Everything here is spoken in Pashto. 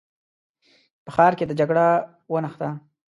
په ښار کې د جګړه ونښته.